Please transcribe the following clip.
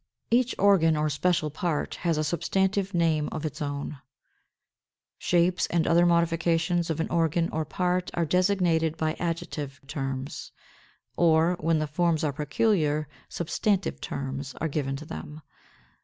Each organ or special part has a substantive name of its own: shapes and other modifications of an organ or part are designated by adjective terms, or, when the forms are peculiar, substantive names are given to them.